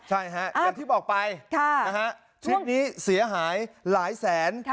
ใช่ฮะอย่างที่บอกไปชิดนี้เสียหายหลายแสน